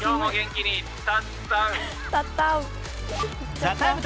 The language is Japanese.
「ＴＨＥＴＩＭＥ，」